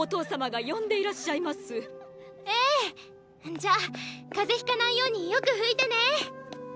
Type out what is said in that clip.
じゃ風邪ひかないようによく拭いてね！